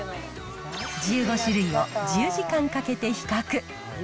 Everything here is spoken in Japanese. １５種類を１０時間かけて比較。